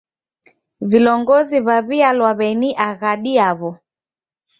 Vilongozi w'aw'ialwa w'eni aghadi yaw'o.